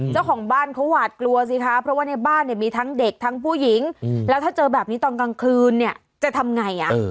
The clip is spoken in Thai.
เจ้าของบ้านเขาหวาดกลัวสิคะเพราะว่าในบ้านเนี่ยมีทั้งเด็กทั้งผู้หญิงแล้วถ้าเจอแบบนี้ตอนกลางคืนเนี่ยจะทำไง